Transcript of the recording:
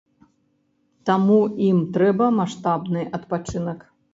Таму ім трэба маштабны адпачынак.